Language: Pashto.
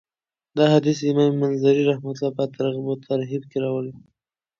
دا حديث امام منذري رحمه الله په الترغيب والترهيب کي راوړی .